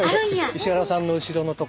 石原さんの後ろの所。